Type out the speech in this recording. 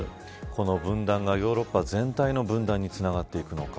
この分断がヨーロッパ全体の分断につながっていくのか。